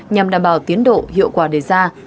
nhằm đảm bảo tiến độ hiệu quả đề ra